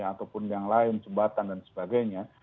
ataupun yang lain jembatan dan sebagainya